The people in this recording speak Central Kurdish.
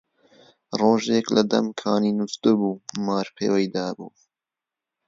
ڕۆژێک لە دەم کانی نوستبوو، مار پێوەی دابوو